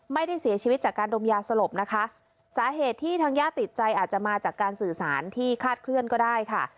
ไม่ได้เสียชีวิตจากการดมยาสลบนะคะ